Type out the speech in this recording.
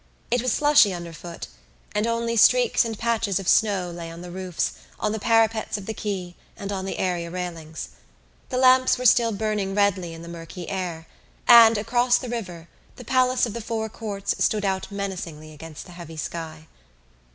It was slushy underfoot; and only streaks and patches of snow lay on the roofs, on the parapets of the quay and on the area railings. The lamps were still burning redly in the murky air and, across the river, the palace of the Four Courts stood out menacingly against the heavy sky.